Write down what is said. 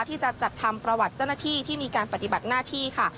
ที่จะจัดทำประวัติเจ้าหน้าที่ที่มีการปฏิบัติหน้าที่ค่ะ